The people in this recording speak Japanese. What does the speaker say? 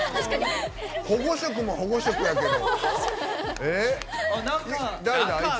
保護色も保護色だけど！